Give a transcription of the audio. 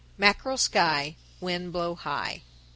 Mackerel sky, Wind blow high.